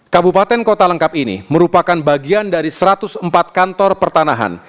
kabupaten kota lengkap ini merupakan bagian dari satu ratus empat kantor pertanahan